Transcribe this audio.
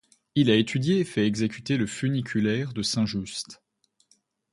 Il a étudié et fait exécuter le funiculaire de Saint-Just.